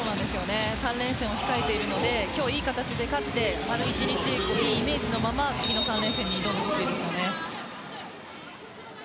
３連戦を控えているので今日、いい形で勝って１日良いイメージのまま次の３連戦に挑んでほしいですよね。